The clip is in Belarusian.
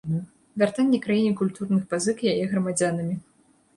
Вяртанне краіне культурных пазык яе грамадзянамі.